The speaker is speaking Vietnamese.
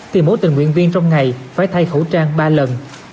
thì mỗi tình nguyện viên trong ngày phải thay khẩu trang ba lần